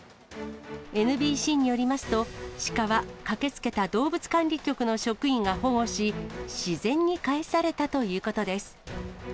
ＮＢＣによりますと、鹿は、駆けつけた動物管理局の職員が保護し、自然に帰されたということです。